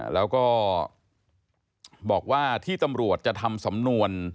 แล้วก็บอกว่าที่ตำรวจจะทำสำนวน